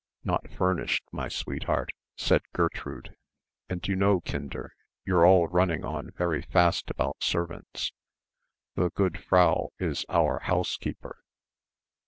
"Not furnished, my sweetheart," said Gertrude, "and you know Kinder you're all running on very fast about servants the good Frau is our housekeeper."